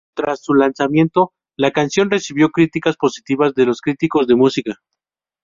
Tras su lanzamiento, la canción recibió críticas positivas de los críticos de música.